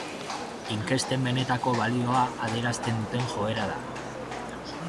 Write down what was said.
Inkesten benetako balioa adierazten duten joera da.